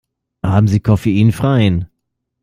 Haben Sie koffeinfreien?